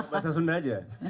bahasa sunda aja